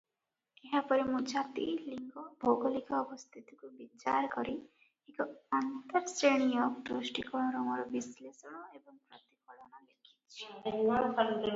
ଏହା ପରେ ମୁଁ ଜାତି, ଲିଙ୍ଗ, ଭୌଗୋଳିକ ଅବସ୍ଥିତିକୁ ବିଚାର କରି ଏକ ଆନ୍ତର୍ଶ୍ରେଣୀୟ ଦୃଷ୍ଟିକୋଣରୁ ମୋର ବିଶ୍ଳେଷଣ ଏବଂ ପ୍ରତିଫଳନ ଲେଖିଛି ।